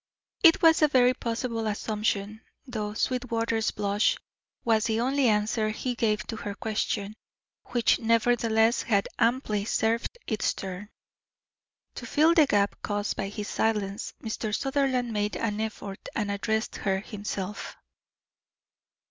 It was a very possible assumption, though Sweetwater's blush was the only answer he gave to her question, which nevertheless had amply served its turn. To fill the gap caused by his silence, Mr. Sutherland made an effort and addressed her himself.